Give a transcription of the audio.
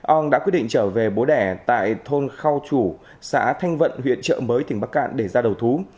ong đã quyết định trở về bố đẻ tại thôn khao chủ xã thanh vận huyện trợ mới tỉnh bắc cạn để ra đầu thú